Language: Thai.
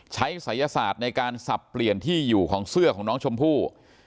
ศัยศาสตร์ในการสับเปลี่ยนที่อยู่ของเสื้อของน้องชมพู่